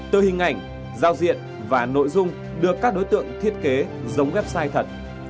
từ hình ảnh giao diện và nội dung được các đối tượng thiết kế giống website thật